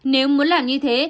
nếu muốn làm như thế